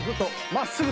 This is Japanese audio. まっすぐ。